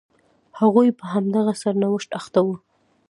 هغوی په همدغه سرنوشت اخته وو.